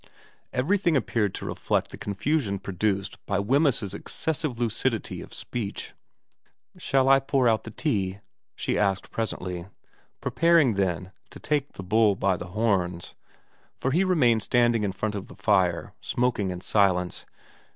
Everything appeared to reflect the confusion produced by Wemyss's excessive lucidity of speech. * Shall I pour out the tea ?' she asked presently, preparing, then, to take the bull by the horns ; for he remained standing in front of the fire smoking in silence.